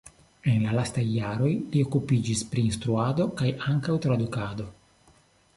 En la lastaj jaroj li okupiĝis pri instruado kaj ankaŭ tradukado.